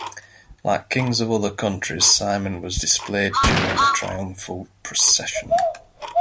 Like kings of other countries Simon was displayed during the triumphal procession.